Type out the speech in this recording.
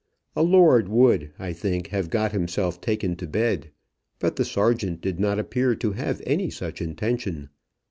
A lord would, I think, have got himself taken to bed. But the Sergeant did not appear to have any such intention.